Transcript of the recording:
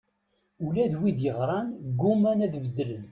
Ula d wid yeɣran gguman ad beddlen.